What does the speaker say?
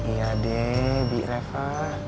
iya deh bi rekha